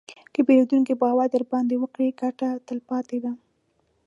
که پیرودونکی باور درباندې وکړي، ګټه تلپاتې ده.